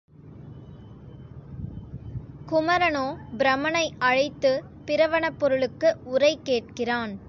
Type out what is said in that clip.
குமரனோ பிரமனை அழைத்து, பிரவணப் பொருளுக்கு உரை கேட்கிறான்.